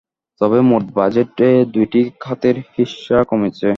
তবে মোট বাজেটে এ দুটি খাতের হিস্যা কমেছে।